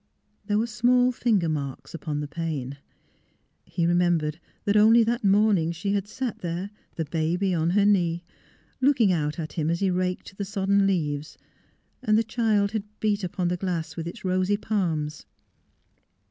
There were small finger marks upon the pane. He remembered that only that morning she had sat THE LORD GAVE 353 there, the baby on her knee, looking out at him as he raked the sodden leaves, and the child had beat npon the glass with its rosy palms.